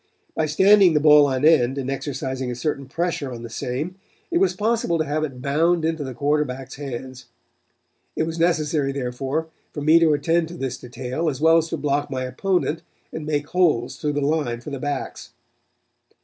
By standing the ball on end and exercising a certain pressure on the same it was possible to have it bound into the quarterback's hands. It was necessary, therefore, for me to attend to this detail as well as to block my opponent and make holes through the line for the backs.